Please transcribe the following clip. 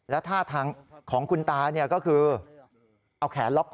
แล้วท่าทางของคุณตาก็คือเอาแขนล็อก